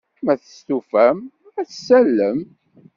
Ma testufam, ad tt-tallem.